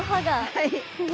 はい。